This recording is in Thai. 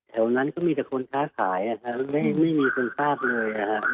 แถวนั้นก็มีแต่คนค้าขายไม่มีคนทราบเลย